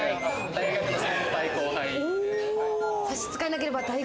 大学の先輩後輩。